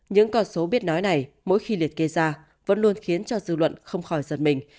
những con số biết nói này mỗi khi liệt kê ra vẫn luôn khiến cho dư luận không khỏi giật mình